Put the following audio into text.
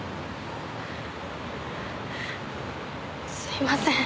すいません。